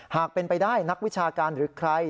หากเป็นไปได้นักวิชาการหรือใคร